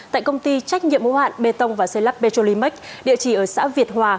tại công ty trách nhiệm mũ hạn bê tông và xây lắp petrolimex địa chỉ ở xã việt hòa